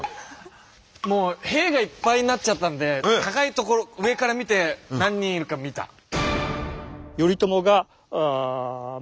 もう兵がいっぱいになっちゃったんで高い所上から見て何人いるか見た。